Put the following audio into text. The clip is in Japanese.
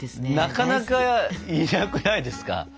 なかなかいなくないですか？